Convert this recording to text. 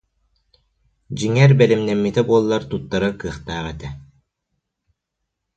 Дьиҥэр, бэлэмнэммитэ буоллар туттарар кыахтаах этэ